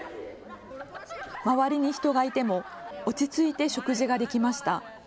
周りに人がいても落ち着いて食事ができました。